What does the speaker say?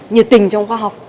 nhiệt tình trong khoa học